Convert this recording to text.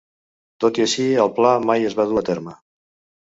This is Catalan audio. Tot i així, el pla mai es va dur a terme.